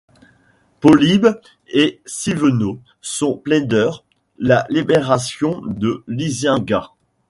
Polybe et Siveno vont plaider la libération de Lisinga.